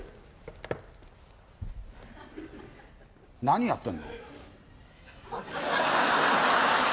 何やってんの？